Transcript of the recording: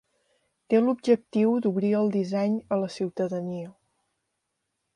Té l’objectiu d’obrir el disseny a la ciutadania.